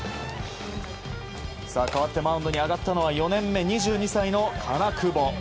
代わってマウンドに上がったのは４年目２２歳の金久保。